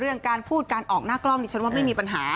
เรื่องการพูดการออกหน้ากล้องเนี่ยฉันว่าไม่มีปัญหา